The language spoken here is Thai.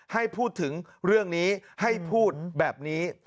ให้พูดถึงเรื่องนี้ให้พูดแบบนี้